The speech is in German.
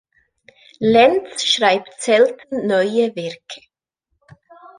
Lentz schreibt selten neue Werke.